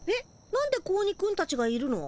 なんで子鬼くんたちがいるの？